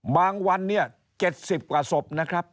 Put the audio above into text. วันเนี่ย๗๐กว่าศพนะครับ